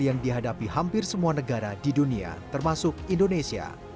yang dihadapi hampir semua negara di dunia termasuk indonesia